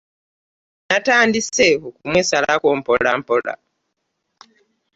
Natandise okumwesalako mpola mpola.